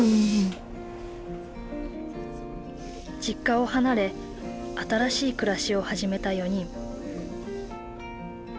実家を離れ新しい暮らしを始めた４人。